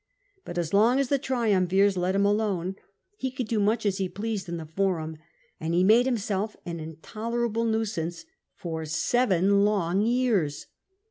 But as long as the triumvirs let him alone, he could do much as he pleased in the Forum, and he made himself an intoler able nuisance for seven long years.